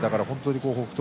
北勝